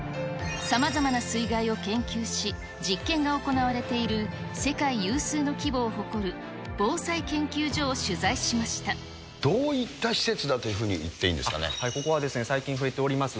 さまざまな水害を研究し、実験が行われている世界有数の規模を誇る防災研究所を取材しましどういった施設だというふうここはですね、最近増えております